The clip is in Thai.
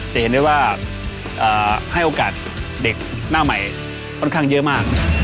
จะเห็นได้ว่าให้โอกาสเด็กหน้าใหม่ค่อนข้างเยอะมาก